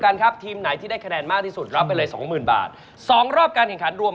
รับไปเลยหนึ่งหมื่นบาทครับ